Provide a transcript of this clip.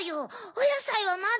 おやさいはまだ？